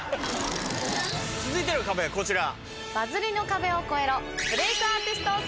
続いての壁はこちら。